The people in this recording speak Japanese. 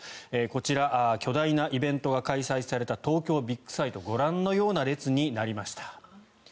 こちら、巨大なイベントが開催された東京ビッグサイトご覧のような列になりました。